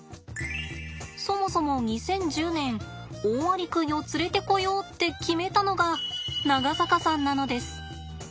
そもそも２０１０年オオアリクイを連れてこようって決めたのが長坂さんなのです。